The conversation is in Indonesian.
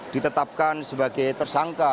ditetapkan sebagai tersangka